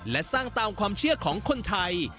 และสร้างตามความเชื่อของคนไทย